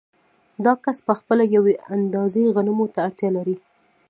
دا کس په خپله یوې اندازې غنمو ته اړتیا لري